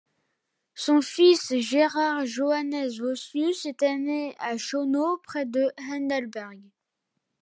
Son fils Gerhard Johannes Vossius était né à Schönau près de Heidelberg.